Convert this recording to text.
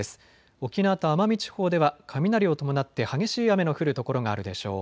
沖縄と奄美地方では雷を伴って激しい雨の降る所があるでしょう。